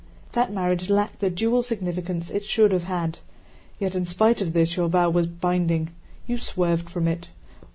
That marriage lacked the dual significance it should have had. Yet in spite of this your vow was binding. You swerved from it.